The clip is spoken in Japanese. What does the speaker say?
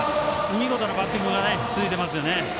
見事なバッティングが続いています。